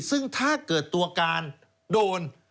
ซึ่งถ้าเกิดตัวการโดน